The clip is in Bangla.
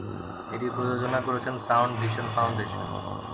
এটি প্রযোজনা করেছে সাউন্ড ভিশন ফাউন্ডেশন।